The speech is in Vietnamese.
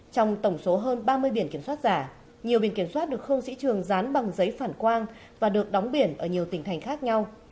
trong tổng số hơn ba mươi biển kiểm soát giả nhiều biển kiểm soát được không sĩ trường dán bằng giấy phản quang và được đóng biển ở nhiều tỉnh thành khác nhau